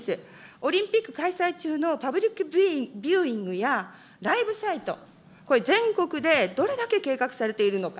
オリンピック開催中のパブリックビューイングやライブサイト、これ、全国でどれだけ計画されているのか。